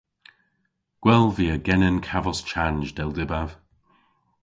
Gwell via genen kavos chanj dell dybav.